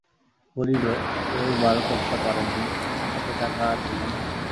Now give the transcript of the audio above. বলিল, কেউ বার কর্তা পারেনি-কত টাকা আছে জানো?